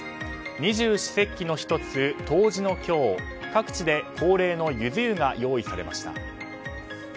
二十四節気の１つ、冬至の今日各地で恒例のゆず湯が用意されました。